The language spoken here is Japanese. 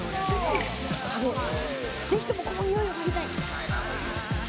ぜひとも、この匂いを嗅ぎたい。